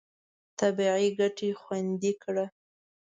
طبیعي ګټې خوندي کړه.